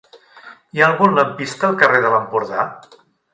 Hi ha algun lampista al carrer de l'Empordà?